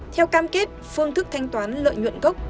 theo cam kết phương thức thanh toán lợi nhuận gốc